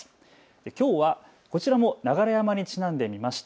きょうはこちらも流山にちなんでみました。